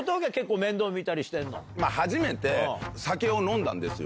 初めて、酒を飲んだんですよ。